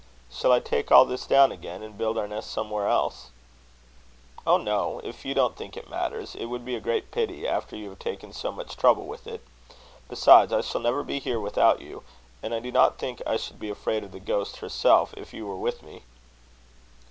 "Shall I take all this down again, and build our nest somewhere else?" "Oh, no, if you don't think it matters. It would be a great pity, after you have taken so much trouble with it. Besides, I shall never be here without you; and I do not think I should be afraid of the ghost herself, if you were with me."